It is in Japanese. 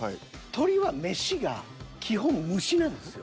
鳥は飯が基本虫なんですよ。